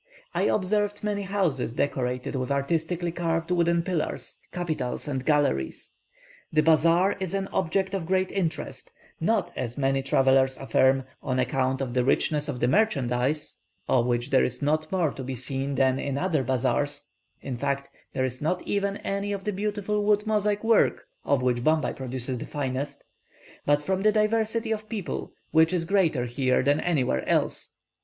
I observed many houses decorated with artistically carved wooden pillars, capitals, and galleries. The bazaar is an object of great interest; not, as many travellers affirm, on account of the richness of the merchandise, of which there is not more to be seen than in other bazaars in fact, there is not even any of the beautiful wood mosaic work of which Bombay produces the finest but from the diversity of people, which is greater here than anywhere else.